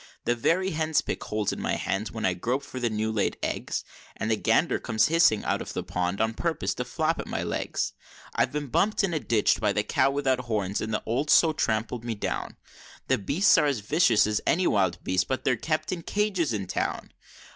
The very hens pick holes in my hands when I grope for the new laid eggs, And the gander comes hissing out of the pond on purpose to flap at my legs. I've been bump'd in a ditch by the cow without horns, and the old sow trampled me down, The beasts are as vicious as any wild beasts but they're kept in cages in town!